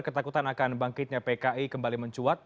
ketakutan akan bangkitnya pki kembali mencuat